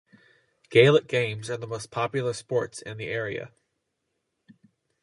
Gaelic games are the most popular sports in the area.